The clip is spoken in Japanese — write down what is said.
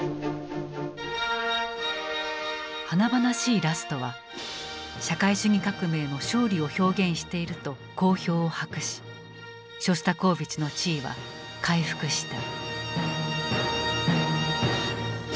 華々しいラストは「社会主義革命の勝利」を表現していると好評を博しショスタコーヴィチの地位は回復した。